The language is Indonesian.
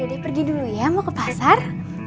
mak dede pergi dulu ya mau ke pasar